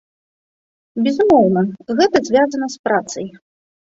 Безумоўна, гэта звязана з працай.